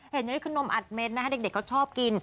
เห็นอยู่นี่คือนมอัดเม้นนะคะเด็กเขาชอบกิน